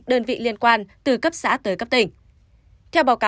đơn vị liên quan từ cấp xã tới cấp tỉnh